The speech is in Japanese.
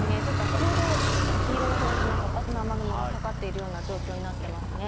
ちょうど黄色い表示の活発な雨雲がかかっているような状況になっていますね。